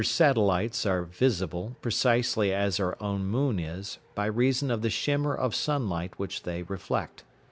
] Jupiter's satellites are visible, precisely as our own moon is, by reason of the shimmer of sunlight which they reflect.